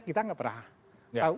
kita tidak pernah tahu